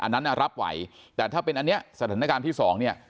อันนั้นน่ะรับไหวแต่ถ้าเป็นอันเนี้ยสถานการณ์ที่สองเนี่ย